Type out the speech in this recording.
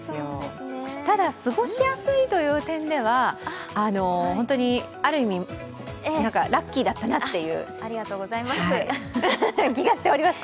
ただ過ごしやすいという点では、ある意味、ラッキーだったなという気がしております。